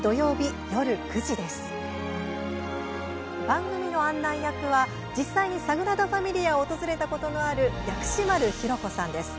番組の案内役は実際にサグラダ・ファミリアを訪れたことがある薬師丸ひろ子さんです。